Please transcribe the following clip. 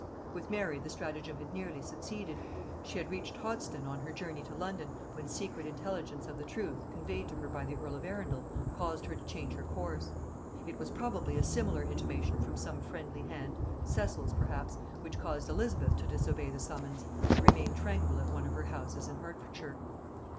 With Mary the stratagem had nearly succeeded: she had reached Hoddesdon on her journey to London, when secret intelligence of the truth, conveyed to her by the earl of Arundel, caused her to change her course. It was probably a similar intimation from some friendly hand, Cecil's perhaps, which caused Elizabeth to disobey the summons, and remain tranquil at one of her houses in Hertfordshire.